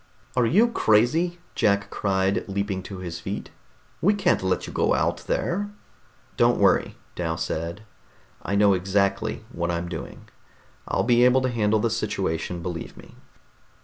"Are you crazy?" Jack cried, leaping to his feet. "We can't let you go out there." "Don't worry," Dal said. "I know exactly what I'm doing. I'll be able to handle the situation, believe me."